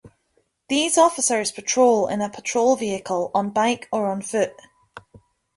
These officers patrol in a patrol vehicle, on bike, or on foot.